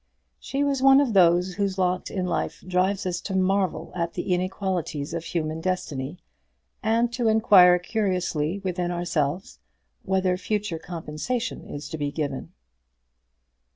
She was one of those whose lot in life drives us to marvel at the inequalities of human destiny, and to inquire curiously within ourselves whether future compensation is to be given.